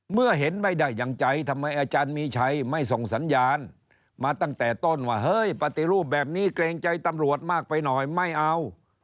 เมื่อเห็นไม่ได้อย่างใจทำไมอาจารย์มีชัยไม่ส่งสัญญาณมาตั้งแต่ต้นว่าเฮ้ยปฏิรูปแบบนี้เกรงใจตำรวจมากไปหน่อยไม่เอา